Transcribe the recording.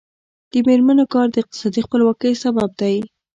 د میرمنو کار د اقتصادي خپلواکۍ سبب دی.